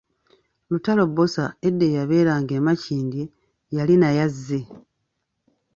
Lutalo-Bosa edda eyabeeranga e Makindye yali naye azze.